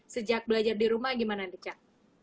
sejak belajar di rumah gimana nih cak